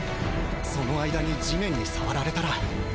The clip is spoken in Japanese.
その間に地面に触られたら。